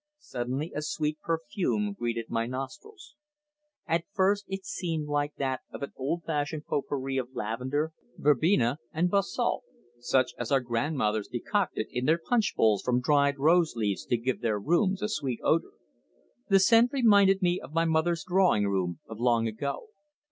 Suddenly a sweet perfume greeted my nostrils. At first it seemed like that of an old fashioned pot pourri of lavender, verbena and basalt, such as our grandmothers decocted in their punch bowls from dried rose leaves to give their rooms a sweet odour. The scent reminded me of my mother's drawing room of long ago.